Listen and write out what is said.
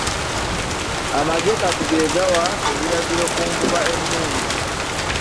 Amaggye kati ge gawa ebiragiro ku nvuba ennungi.